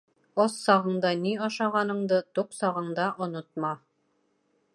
Ас сағында ни ашағаныңды туҡ сағыңда онотма.